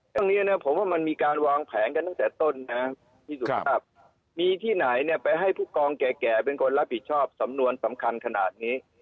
เรื่องนี้นะผมว่ามันมีการวางแผนกันตั้งแต่ต้นนะพี่สุภาพมีที่ไหนเนี่ยไปให้ผู้กองแก่เป็นคนรับผิดชอบสำนวนสำคัญขนาดนี้